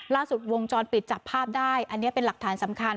ล่าสุดวงจรปิดจับภาพได้อันนี้เป็นหลักฐานสำคัญ